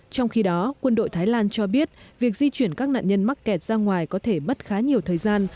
trong khi đó quân đội thái lan cho biết việc di chuyển các nạn nhân mắc kẹt ra ngoài có thể mất khá nhiều thời gian